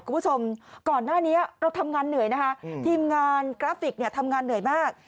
คุณผู้ชมก่อนหน้านี้เราทำงานเหนื่อยนะคะทีมงานกราฟิกเนี่ยทำงานเหนื่อยมาก